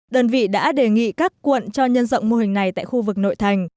đơn vị đã đề nghị các quận cho nhân rộng mô hình này tại khu vực nội thành